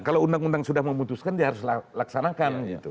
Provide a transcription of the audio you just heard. kalau undang undang sudah memutuskan dia harus laksanakan gitu